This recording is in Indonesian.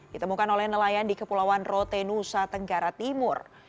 ditemukan oleh nelayan di kepulauan rotenusa tenggara timur